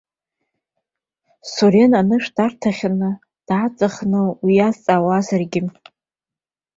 Сурен анышә дарҭахьаны дааҵхны уиазҵаауазаргьы.